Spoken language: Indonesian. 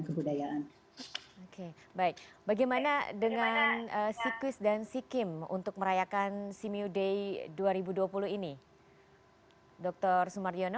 kebudayaan baik bagaimana dengan sikwis dan sikim untuk merayakan simeoday dua ribu dua puluh ini dokter sumaryono